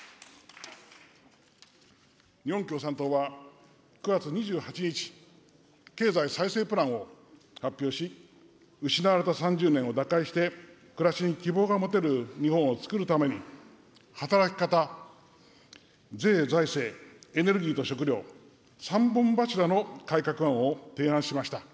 日本共産党は、９月２８日、経済再生プランを発表し、失われた３０年を打開して、暮らしに希望が持てる日本をつくるために、働き方、税・財政、エネルギーと食料、３本柱の改革案を提案しました。